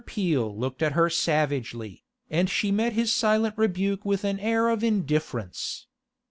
Peel looked at her savagely, and she met his silent rebuke with an air of indifference.